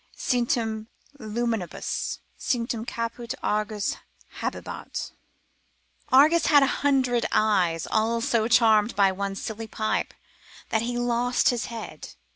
Centum luminibus cinctum caput Argus habebat, Argus had a hundred eyes, all so charmed by one silly pipe, that he lost his head.